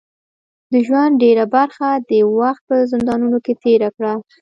د ژوند ډیره برخه د وخت په زندانونو کې تېره کړه.